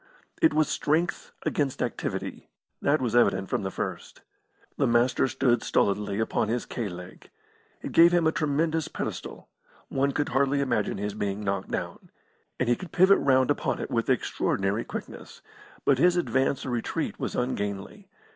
It was strength against activity that was evident from the first. The Master stood stolidly upon his K leg. It gave him a tremendous pedestal; one could hardly imagine his being knocked down. And he could pivot round upon it with extraordinary quickness; but his advance or retreat was ungainly.